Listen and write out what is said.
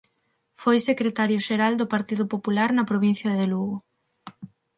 Foi secretario xeral do Partido Popular na provincia de Lugo.